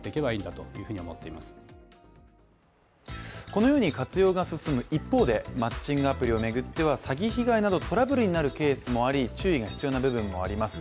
このように活用が進む一方でマッチングアプリを巡っては、詐欺被害などトラブルになるケースもあり注意が必要な部分もあります。